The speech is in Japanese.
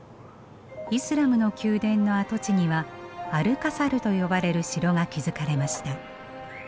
イスラムの宮殿の跡地にはアルカサルと呼ばれる城が築かれました。